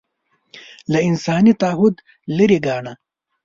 له انساني تعهد لرې ګاڼه